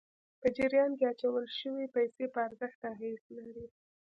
په جریان کې اچول شويې پیسې په ارزښت اغېز لري.